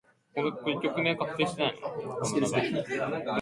The area around the Oceanium is home to projects depicting the Americas.